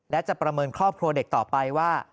และจะประเมินครอบครัวเด็กต่อไปว่า